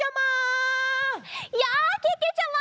やあけけちゃま！